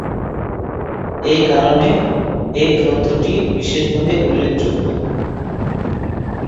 এই কারণে, এই গ্রন্থটি বিশেষভাবে উল্লেখযোগ্য।